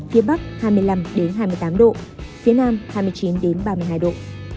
phía bắc hai mươi năm hai mươi tám độ phía nam hai mươi chín ba mươi hai độ